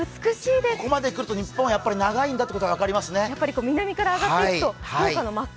ここまでくると日本は長いんだと分かりますね。